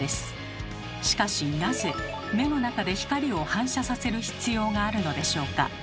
しかしなぜ目の中で光を反射させる必要があるのでしょうか？